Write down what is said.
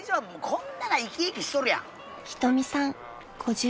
こんな生き生きしとるやん。